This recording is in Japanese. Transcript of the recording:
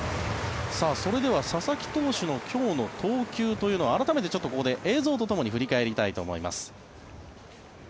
それでは佐々木投手の今日の投球を改めてちょっとここで映像とともに振り返りたいと思います。